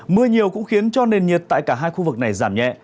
mưa nhiều cũng khiến cho nền nhiệt tại cả hai khu vực này giảm nhẹ